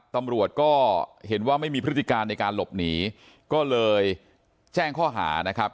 ตำรวจก็เห็นว่าไม่มีพฤติการในการหลบหนีก็เลยแจ้งข้อหานะครับ